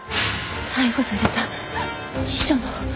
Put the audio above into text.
逮捕された秘書の